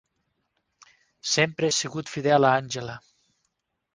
Sempre he sigut fidel a Angela.